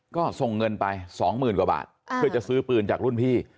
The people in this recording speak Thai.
ก็ส่งเงินไป๒๐๐๐กว่าบาทเพื่อจะซื้อปืนจากรุ่นพี่